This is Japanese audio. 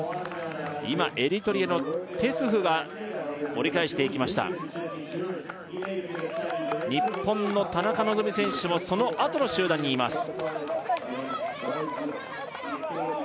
今エリトリアのテスフが折り返していきました日本の田中希実選手もそのあとの集団にいます